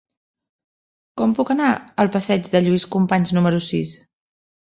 Com puc anar al passeig de Lluís Companys número sis?